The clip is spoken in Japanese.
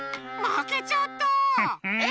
まけちゃった！